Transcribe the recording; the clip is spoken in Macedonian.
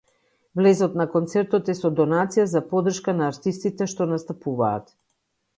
Влезот на концертот е со донација за поддршка на артистите што настапуваат.